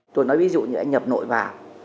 tôi nói ví dụ như anh nhập nội vào